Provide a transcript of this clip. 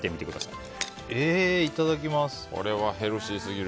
いただきます。